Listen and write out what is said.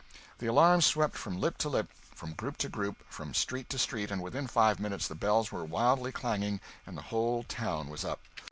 The alarm swept from lip to lip, from group to group, from street to street, and within five minutes the bells were wildly clanging and the whole town was up!